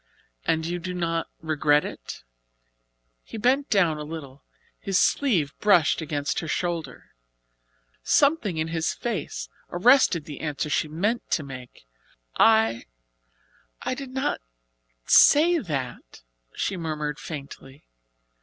"And you do not regret it?" He bent down a little. His sleeve brushed against her shoulder. Something in his face arrested the answer she meant to make. "I I did not say that," she murmured faintly.